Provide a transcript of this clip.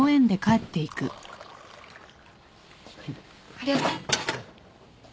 ありがとう。